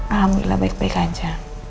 alhamdulillah baik baik aja